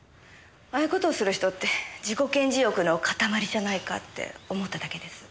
ああいう事をする人って自己顕示欲の塊じゃないかって思っただけです。